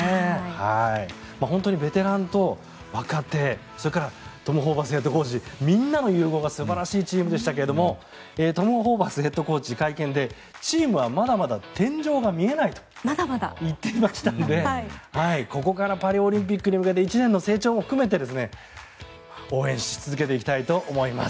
本当にベテランと若手、それからトム・ホーバスヘッドコーチみんなの融合が素晴らしいチームでしたがトム・ホーバスヘッドコーチ会見でチームはまだまだ天井が見えないと言っていましたのでここからパリオリンピックに向けて１年の成長も含めて応援し続けていきたいと思います。